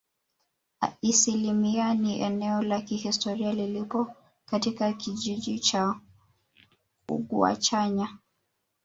Isimila ni eneo la kihistoria lililopo katika kijiji cha Ugwachanya